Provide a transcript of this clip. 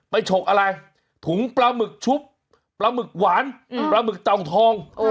ฉกอะไรถุงปลาหมึกชุบปลาหมึกหวานปลาหมึกเต่าทอง